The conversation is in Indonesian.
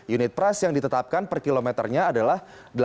unit price yang ditetapkan per kilometernya adalah delapan